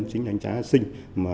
chính là anh trá a sinh